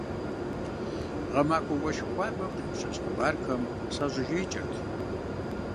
Гъэмахуэ уэшх хуабэм, къиӏущэщ хъыбархэм сыщӏэжеикӏырт.